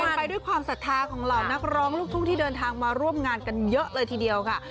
เป็นไปด้วยความศรัทธาของเหล่านักร้องลูกทุ่งที่เดินทางมาร่วมงานกันเยอะเลยทีเดียวค่ะ